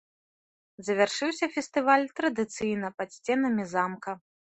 Завяршыўся фестываль традыцыйна пад сценамі замка.